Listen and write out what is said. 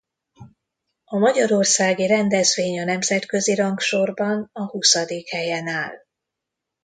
A magyarországi rendezvény a nemzetközi rangsorban a huszadik helyen áll.